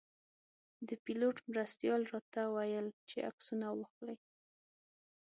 د پیلوټ مرستیال راته ویل چې عکسونه واخلئ.